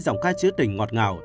dòng ca chữ tình ngọt ngào